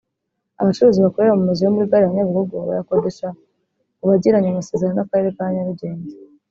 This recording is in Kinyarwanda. Abacuruzi bakorera mu mazu yo muri Gare ya Nyabugogo bayakodesha ku bagiranye amasezerano n’akarere ka Nyarugenge